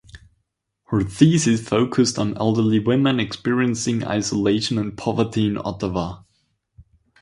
Her thesis focused on elderly women experiencing isolation and poverty in Ottawa.